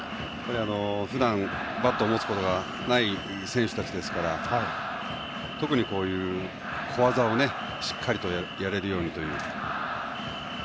ふだん、バットを持つことがない選手たちですから特に、こうした小技をしっかりとやれるようにという。